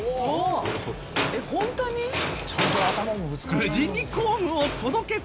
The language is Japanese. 無事に工具を届けた。